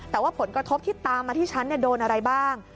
แต่ว่าผลกระทบที่ตามมาที่ฉันโดนอะไรบ้าง